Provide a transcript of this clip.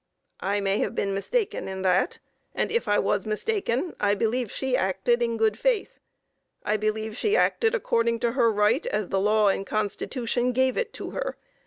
I may have been mistaken in that, and if I was mistaken, I believe she acted in good faith. I believe she acted according to her right as the law and Constitution gave it to her.